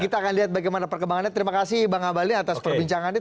kita akan lihat bagaimana perkembangannya terima kasih bang abalin atas perbincangannya